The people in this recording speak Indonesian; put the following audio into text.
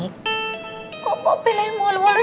kok pok belain mual mual sih